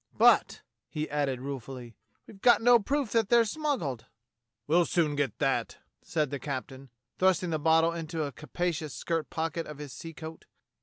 But," he added ruefully, "we've got no proof that they're smuggled." "We'll soon get that," said the captain, thrusting the bottle into the capacious skirt pocket of his sea coat.